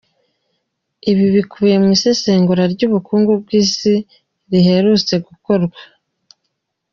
Ibi bikubiye mu isesengura ry'ubukungu bw'isi giherutse gukora.